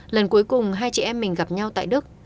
lần cuối cùng hai chị em mình gặp nhau tại đức